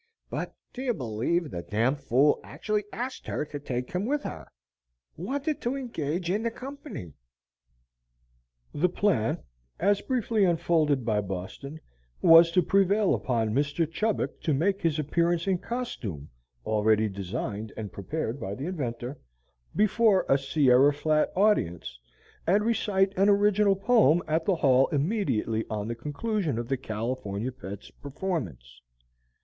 "But do you believe the d d fool actually asked her to take him with her; wanted to engage in the company." The plan, as briefly unfolded by "Boston," was to prevail upon Mr. Chubbuck to make his appearance in costume (already designed and prepared by the inventor) before a Sierra Flat audience, and recite an original poem at the Hall immediately on the conclusion of the "California Pet's" performance.